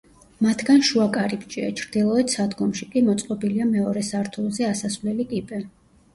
მათგან შუა კარიბჭეა, ჩრდილოეთ სადგომში კი მოწყობილია მეორე სართულზე ასასვლელი კიბე.